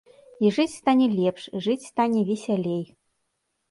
І жыць стане лепш, жыць стане весялей.